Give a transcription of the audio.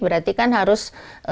berarti kan harus